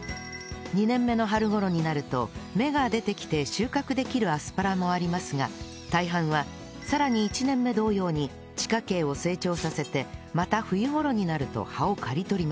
２年目の春頃になると芽が出てきて収穫できるアスパラもありますが大半はさらに１年目同様に地下茎を成長させてまた冬頃になると葉を刈り取ります